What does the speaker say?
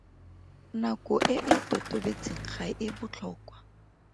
Nako e e totobetseng ga e botlhokwa.